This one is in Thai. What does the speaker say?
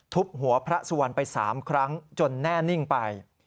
ทุบหัวพระสุวรรณไป๓ครั้งจนแน่นิ่งไป